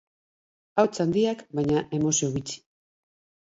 Ahots handiak, baina emozio gutxi.